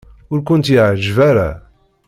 Ur kent-iɛejjeb ara.